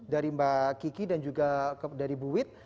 dari mbak kiki dan juga dari bu wit